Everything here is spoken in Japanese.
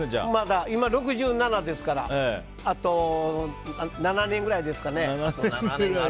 今６７ですからあと７年くらいですかね。